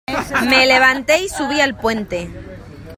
me levanté y subí al puente.